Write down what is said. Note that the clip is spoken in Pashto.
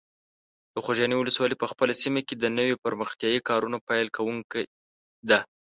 د خوږیاڼي ولسوالۍ په خپله سیمه کې د نویو پرمختیایي کارونو پیل کوونکی ده.